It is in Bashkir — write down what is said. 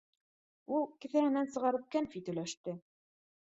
Ул кеҫәһенән сығарып кәнфит өләште.